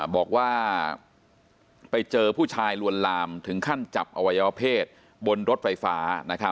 บอกว่าไปเจอผู้ชายลวนลามถึงขั้นจับอวัยวเพศบนรถไฟฟ้า